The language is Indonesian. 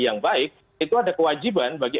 yang baik itu ada kewajiban bagi